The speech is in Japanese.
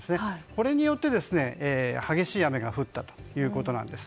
これによって、激しい雨が降ったということなんです。